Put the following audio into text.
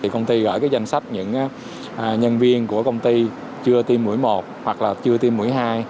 công ty gửi danh sách những nhân viên của công ty chưa tiêm mũi một hoặc chưa tiêm mũi hai